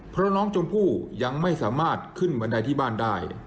เพราะน้องชมพู่ยังไม่สามารถขึ้นบันไดที่บ้านได้